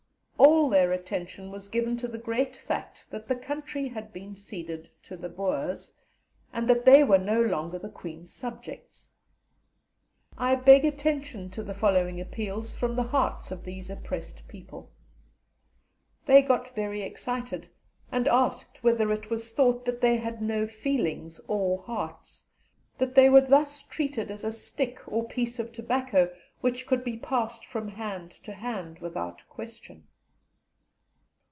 All their attention was given to the great fact that the country had been ceded to the Boers, and that they were no longer the Queen's subjects. I beg attention to the following appeals from the hearts of these oppressed people. They got very excited, and asked whether it was thought that they had no feelings or hearts, that they were thus treated as a stick or piece of tobacco, which could be passed from hand to hand without question.